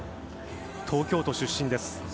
東京都出身です。